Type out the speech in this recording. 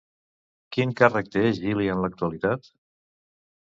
Quin càrrec té Gili en l'actualitat?